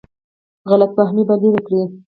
غلط فهمۍ به لرې کړي.